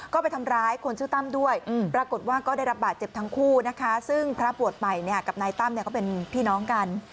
ก็ไปทำร้ายคนชื่อตั้มด้วยปรากฏว่าก็ได้รับบาดเจ็บทั้งคู่นะคะซึ่งพระบวชใหม่เนี่ยกับนายตั้มก็เป็นพี่น้องกัน